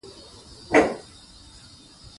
مثبت منځپانګه د ټولنې نږدې کولو وسیله ده.